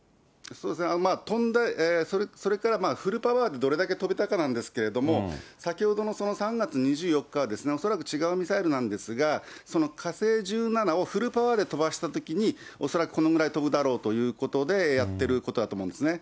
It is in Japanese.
そうですね、飛んで、それからフルパワーでどれだけ飛べたかなんですけれども、先ほどの３月２４日は、恐らく違うミサイルなんですが、その火星１７をフルパワーで飛ばしたときに、恐らくこのぐらい飛ぶだろうということでやってることだと思うんですね。